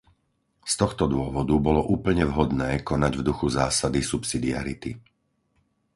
Z tohto dôvodu bolo úplne vhodné konať v duchu zásady subsidiarity.